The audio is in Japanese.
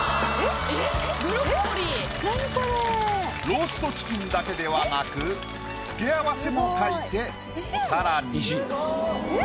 ローストチキンだけではなく付け合わせも描いてお皿に。